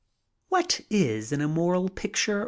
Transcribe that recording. What is an immcMral pict ure?